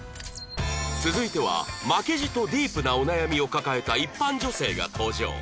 続いては負けじとディープなお悩みを抱えた一般女性が登場